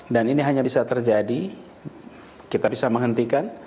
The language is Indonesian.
dan ini hanya bisa terjadi kita bisa menghentikan